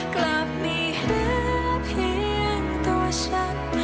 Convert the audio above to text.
กลับนี้เหลือเพียงตัวฉัน